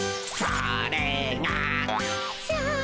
「それが」